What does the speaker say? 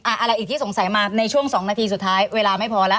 อะไรอีกที่สงสัยมาในช่วง๒นาทีสุดท้ายเวลาไม่พอแล้ว